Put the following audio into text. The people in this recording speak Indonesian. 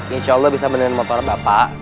insya allah bisa mendengar motor bapak